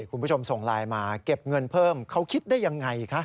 คุณผู้ชมส่งไลน์มาเก็บเงินเพิ่มเขาคิดได้ยังไงคะ